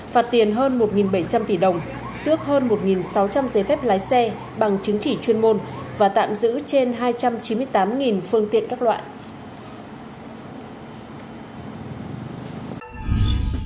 phạt tiền hơn một bảy trăm linh tỷ đồng tước hơn một sáu trăm linh giấy phép lái xe bằng chứng chỉ chuyên môn và tạm giữ trên hai trăm chín mươi tám phương tiện các loại